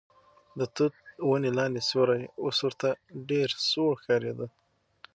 د توت ونې لاندې سیوری اوس ورته ډېر سوړ ښکارېده.